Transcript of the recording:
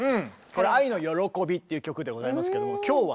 これは「愛のよろこび」っていう曲でございますけども今日はね